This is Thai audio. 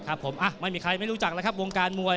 ครับผมไม่มีใครไม่รู้จักแล้วครับวงการมวย